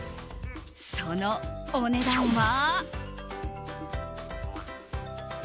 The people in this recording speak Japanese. その、お値段は。